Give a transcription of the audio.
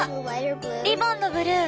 リボンのブルー